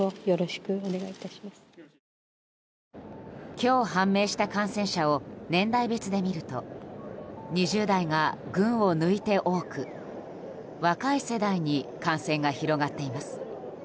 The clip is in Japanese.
今日判明した感染者を年代別で見ると２０代が群を抜いて多く若い世代に感染が広がっています。